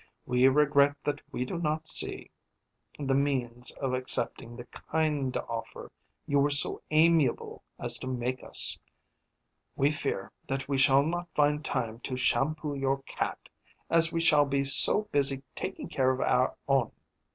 We regret that we do not see the means of accepting the kind offer you were so amiable as to make us. We fear that we shall not find time to shampoo your cat, as we shall be so busy taking care of our own.